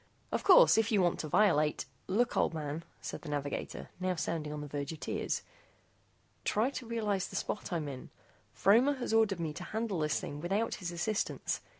Of course, if you want to violate " "Look, old man," said the navigator, now sounding on the verge of tears, "try to realize the spot I'm in. Fromer has ordered me to handle this thing without his assistance.